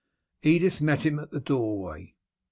Edith met him at the doorway.